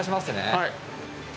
はい。